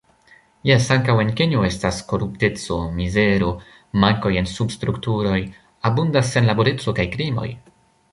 Jes, ankaŭ en Kenjo estas korupteco, mizero, mankoj en substrukturoj, abundas senlaboreco kaj krimoj.